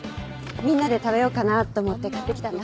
みんなで食べようかなと思って買ってきたんだ。